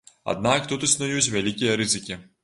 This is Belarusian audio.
Аднак тут існуюць вялікія рызыкі.